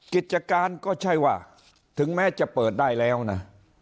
กิจการก็ใช่ว่าถึงแม้จะเปิดได้แล้วนะ